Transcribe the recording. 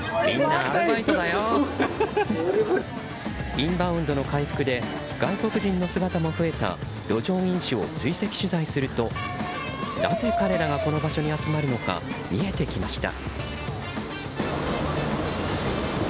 インバウンドの回復で外国人の姿も増えた路上飲酒を追跡取材するとなぜ彼らがこの場所に集まるのか見えてきました。